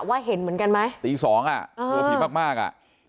ว่าเห็นเหมือนกันไหมอีก๒อ่ะกลัวผิดมากอ่ะ